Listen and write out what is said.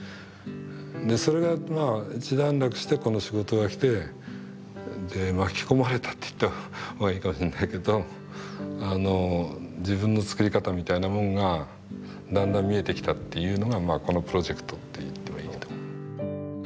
でそれがまあ一段落してこの仕事が来て巻き込まれたって言ったら悪いかもしれないけど自分の作り方みたいなもんがだんだん見えてきたっていうのがまあこのプロジェクトって言ってもいいと思う。